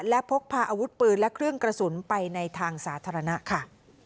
และพกพาอาวุธปืนและเครื่องกระสุนไปในทางสาธารณะค่ะ